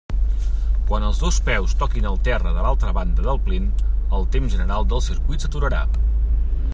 Quan els dos peus toquin al terra de l'altra banda del plint, el temps general del circuit s'aturarà.